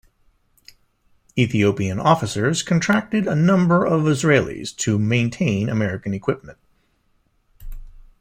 Ethiopian officers contracted a number of Israelis to maintain American equipment.